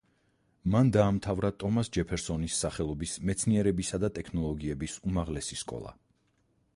მან დაამთავრა ტომას ჯეფერსონის სახელობის მეცნიერებისა და ტექნოლოგიების უმაღლესი სკოლა.